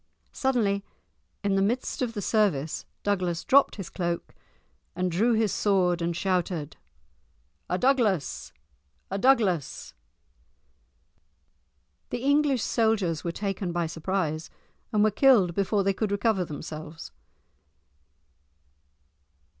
Suddenly in the midst of the service Douglas dropped his cloak and drew his sword and shouted: "A Douglas! a Douglas!" The English soldiers were taken by surprise, and were killed before they could recover themselves.